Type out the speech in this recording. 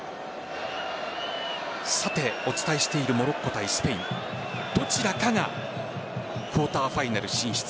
お伝えしているモロッコ対スペインどちらかがクォーターファイナル進出